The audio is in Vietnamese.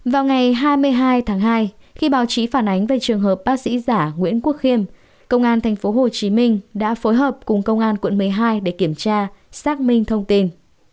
vào ngày hai mươi hai tháng hai khi báo chí phản ánh về trường hợp bác sĩ giả nguyễn quốc khiêm công an tp hcm đã phối hợp cùng công an quận một mươi hai để kiểm tra xác minh thông tin